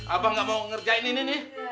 abang nggak mau ngerjain ini nih